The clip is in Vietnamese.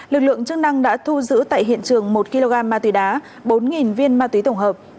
lực lượng chức năng đã thu giữ tại hiện trường một kg ma túy đá bốn viên ma túy tổng hợp